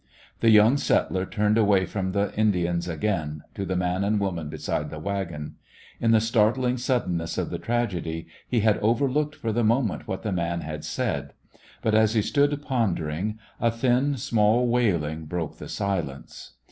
The young settler turned away from the Indians again to the man and woman beside the wagon. In the startling suddenness of the tragedy, he had overlooked for the moment what the man had said; but, as he stood pondering, a thin, small wailing broke the silence.